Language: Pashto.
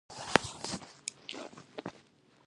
ازادي راډیو د اقلیتونه په اړه د روغتیایي اغېزو خبره کړې.